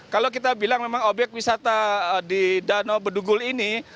kalau kita bilang memang obyek wisata di danau bedugul ini